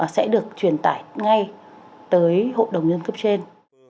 sẽ được truyền tải ngay tới hội đồng nhân cấp trên